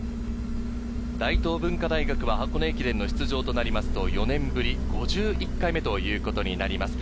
大東文化大学、箱根駅伝の出場となりますと４年ぶり５１回目ということになります。